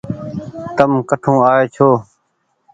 تم ڪٺون آئي ڇوٚنٚ